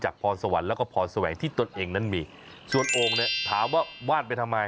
พรสวรรค์แล้วก็พรแสวงที่ตนเองนั้นมีส่วนโอ่งเนี่ยถามว่าวาดไปทำไม